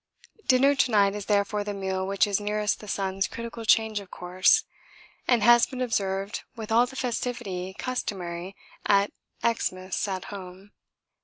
Dinner to night is therefore the meal which is nearest the sun's critical change of course, and has been observed with all the festivity customary at Xmas at home.